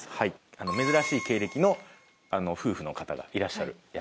珍しい経歴の夫婦の方がいらっしゃるやつですね。